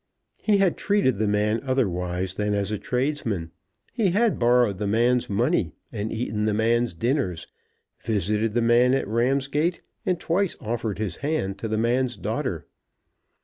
He had treated the man otherwise than as a tradesman. He had borrowed the man's money, and eaten the man's dinners; visited the man at Ramsgate, and twice offered his hand to the man's daughter.